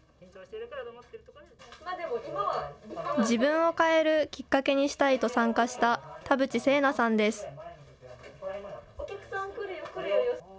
自分を変えるきっかけにしたいと参加した田渕精菜さんです。